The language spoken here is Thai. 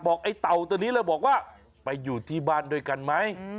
ไอ้เต่าตัวนี้เลยบอกว่าไปอยู่ที่บ้านด้วยกันไหม